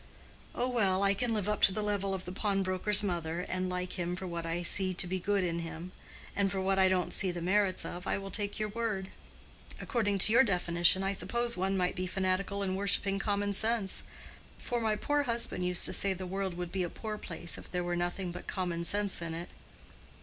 "Oh, well, I can live up to the level of the pawnbroker's mother, and like him for what I see to be good in him; and for what I don't see the merits of I will take your word. According to your definition, I suppose one might be fanatical in worshipping common sense; for my poor husband used to say the world would be a poor place if there were nothing but common sense in it.